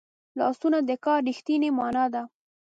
لاسونه د کار رښتینې مانا ده